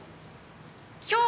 今日